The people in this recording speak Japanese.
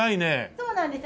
そうなんですよ。